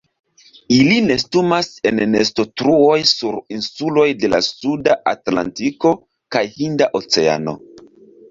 Ili nestumas en nestotruoj sur insuloj de la Suda Atlantiko kaj Hinda Oceano.